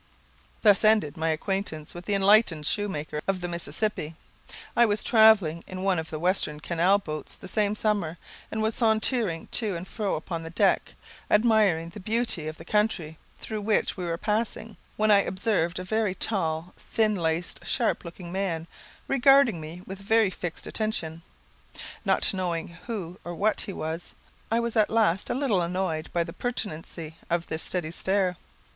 Thus ended my acquaintance with the enlightened shoemaker of the Mississippi. I was travelling in one of the western canal boats the same summer, and was sauntering to and fro upon the deck, admiring the beauty of the country through which we were passing, when I observed a very tall, thin laced, sharp looking man, regarding me with very fixed attention. Not knowing who or what he was, I was at last a little annoyed by the pertinacity of this steady stare.